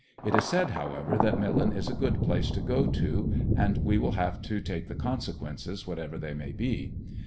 It is said, however, that Millen is a good place to go to, and we will have to take the consequences whatever they may be.